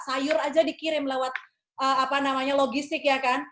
sayur aja dikirim lewat logistik ya kan